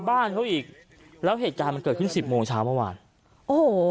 บ้านเขาอีกแล้วเหตุการณ์มันเกิดขึ้นสิบโมงเช้าเมื่อวานโอ้โห